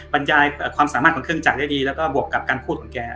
บรรยายความสามารถของเครื่องจักรได้ดีแล้วก็บวกกับการพูดของแก